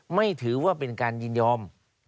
ไม่ถือว่าเป็นการยินยอม